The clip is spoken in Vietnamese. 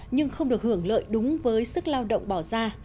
nhưng không được hưởng lợi đúng với sức lao động bỏ ra